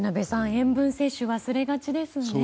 塩分摂取は忘れがちですね。